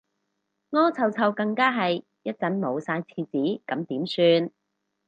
屙臭臭更加係，一陣冇晒廁紙咁點算